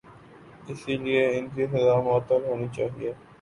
اسی لئے ان کی سزا معطل ہونی چاہیے۔